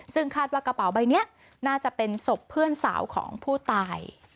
ซึ่งคาดว่ากระเป๋าใบนี้น่าจะเป็นศพเพื่อนสาวของผู้ตาย